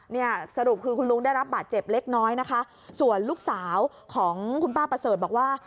เนี่ยสรุปคือคุณลุงได้รับบาดเจ็บเล็กน้อยนะคะส่วนลูกสาวของคุณป้าประเสริฐบอกว่า